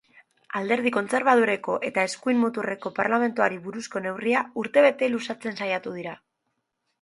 Alderdi kontserbadoreko eta eskuin muturreko parlamentari batzuk neurria urtebete luzatzen saiatu dira.